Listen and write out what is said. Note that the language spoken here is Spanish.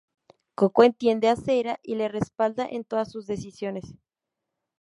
Coco entiende a Seira y le respalda en todas sus decisiones.